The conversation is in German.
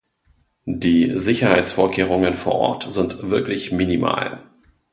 Die Sicherheitsvorkehrungen vor Ort sind wirklich minimal.